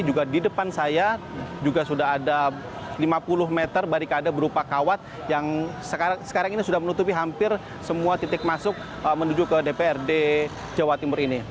juga di depan saya juga sudah ada lima puluh meter barikade berupa kawat yang sekarang ini sudah menutupi hampir semua titik masuk menuju ke dprd jawa timur ini